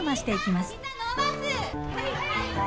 はい！